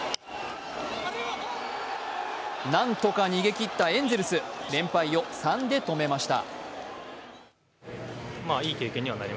何とか逃げ切ったエンゼルス、連敗を３で止めました。